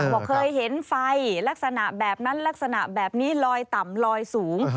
บอกเคยเห็นไฟลักษณะแบบนั้นลักษณะแบบนี้ลอยต่ำลอยสูง